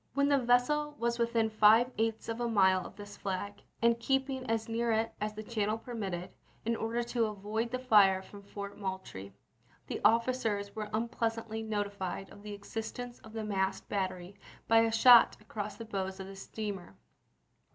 When the vessel was within five eighths of a mile of this flag, and keep ing as near it as the channel permitted, in order to avoid the fire from Fort Moultrie, the officers were unpleasantly notified of the existence of the masked battery by a shot across the bows of the steamer.